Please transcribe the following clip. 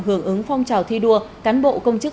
hưởng ứng phong trào thi đua cán bộ công chức